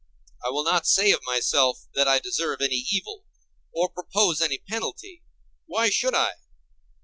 I will not say of myself that I deserve any evil, or propose any penalty. Why should I?